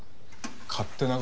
勝手な事。